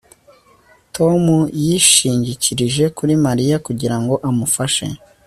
Tom yishingikirije kuri Mariya kugira ngo amufashe